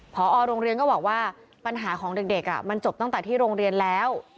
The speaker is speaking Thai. พอโรงเรียนก็บอกว่าปัญหาของเด็กมันจบตั้งแต่ที่โรงเรียนแล้ว